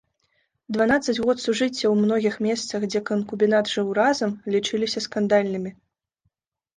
Дванаццаць год сужыцця ў многіх месцах, дзе канкубінат жыў разам, лічыліся скандальнымі.